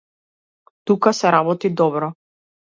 Тука се работи добро.